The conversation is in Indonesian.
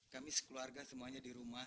kami sekeluarga semuanya di rumah